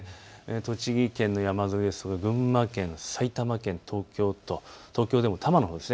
栃木県の山沿い、群馬県、埼玉県、東京都、東京でも多摩のほうです。